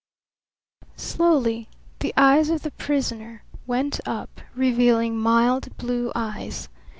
Slowly the eyelids of the prisoner went up, revealing mild blue eyes.